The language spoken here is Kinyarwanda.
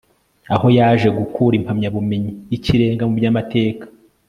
aho yaje gukura impamyabumenyi y'ikirenga mu by'amateka